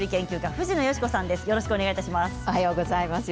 藤野嘉子さんです。